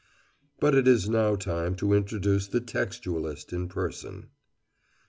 But it is now time to introduce the textualist in person.